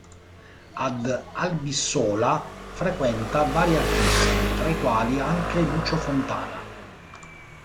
Ad Albissola frequenta vari artisti, tra i quali anche Lucio Fontana.